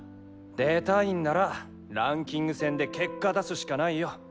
出たいんならランキング戦で結果出すしかないよ。